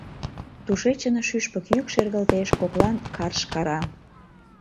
Тушечын шӱшпык йӱк шергылтеш, коклан карш кара.